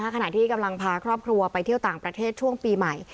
ขณะที่กำลังพาครอบครัวไปเที่ยวต่างประเทศช่วงปีใหม่